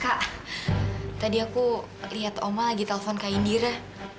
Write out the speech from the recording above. kak tadi aku lihat oma lagi telpon kak indira